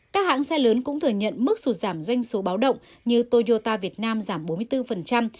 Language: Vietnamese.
các hãng xe lớn cũng thừa nhận mức sụt giảm doanh số báo động như toyota việt nam giảm bốn mươi bốn